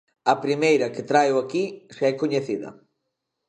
A primeira que traio aquí xa é coñecida.